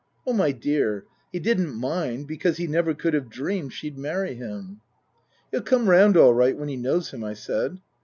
" Oh, my dear he didn't mind, because he never could have dreamed she'd marry him." " He'll come round all right when he knows him," I said.